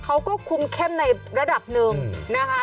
เขาก็คุมเข้มในระดับหนึ่งนะคะ